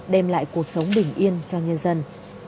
đem lại cuộc sống bình yên cho nhân dân